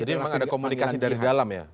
jadi memang ada komunikasi dari dalam ya